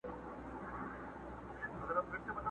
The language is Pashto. یوه د وصل شپه وي په قسمت را رسېدلې!.